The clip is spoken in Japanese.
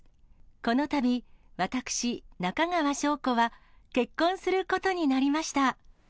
このたび、私、中川翔子は結婚することになりました。